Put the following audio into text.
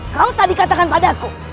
kau tak dikatakan padaku